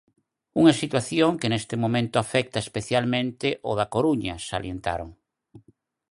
Unha situación que neste momento afecta especialmente ao da Coruña, salientaron.